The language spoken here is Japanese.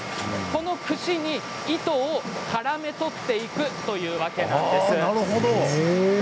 このクシに糸をからめ捕っていくというわけなんです。